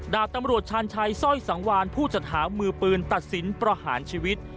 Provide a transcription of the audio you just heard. ดาบตำรวจชาญชัยสร้อยสังวานผู้จัดหามือปืนตัดสินประหารชีวิต